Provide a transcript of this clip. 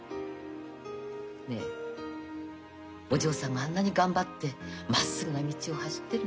ねえお嬢さんがあんなに頑張ってまっすぐな道を走ってるのよ。